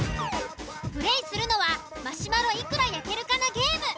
プレーするのはマシュマロいくら焼けるかなゲーム。